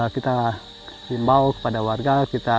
kita himbau kepada warga